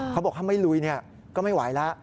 เขาบอกถ้าไม่ลุยก็ไม่ไหวแล้ว